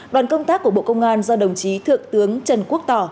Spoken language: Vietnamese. đoàn công tác của bộ công an do đồng chí thượng tướng trần quốc tỏ